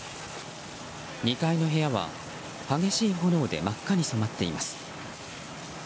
２階の部屋は激しい炎で真っ赤に染まっています。